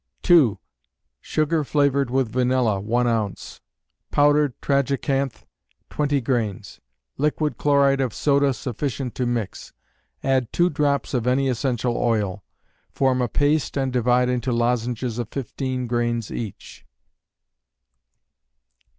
2. Sugar flavored with vanilla, 1 ounce; powdered tragacanth, 20 grains; liquid chloride of soda sufficient to mix; add two drops of any essential oil. Form a paste and divide into lozenges of 15 grains each.